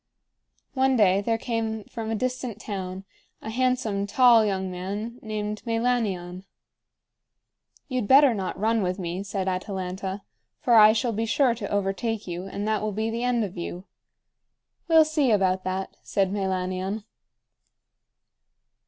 One day there came from a distant town a handsome, tall young man named Meilanion. "You'd better not run with me," said Atalanta, "for I shall be sure to overtake you, and that will be the end of you." "We'll see about that," said Meilanion.